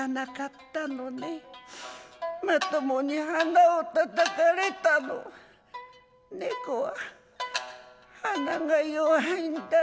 まともに鼻をたたかれたの猫は鼻が弱いんだってね。